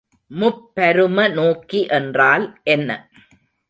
முப்பரும நோக்கி என்றால் என்ன?